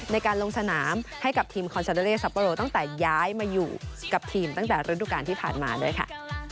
ในการลงสนามให้กับทีมคอนซาเดอเลสัปโปโรตั้งแต่ย้ายมาอยู่กับทีมตั้งแต่ฤดูการที่ผ่านมาด้วยค่ะ